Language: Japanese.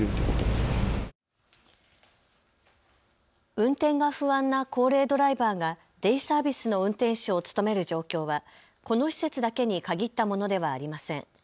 運転が不安な高齢ドライバーがデイサービスの運転手を務める状況はこの施設だけに限ったものではありません。